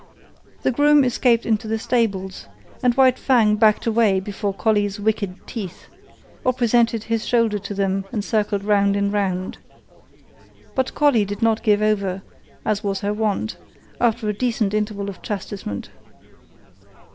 The groom escaped into the stables, and White Fang backed away before Collie's wicked teeth, or presented his shoulder to them and circled round and round. But Collie did not give over, as was her wont, after a decent interval of chastisement.